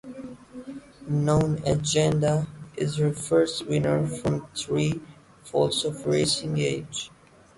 Known Agenda is her first winner from three foals of racing age.